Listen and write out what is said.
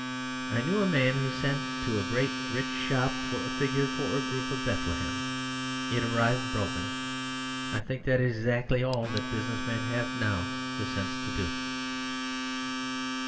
I knew a man who sent to a great rich shop for a figure for a group of Bethlehem. It arrived broken. I think that is exactly all that business men have now the sense to do.